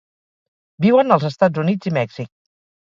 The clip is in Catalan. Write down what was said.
Viuen als Estats Units i Mèxic.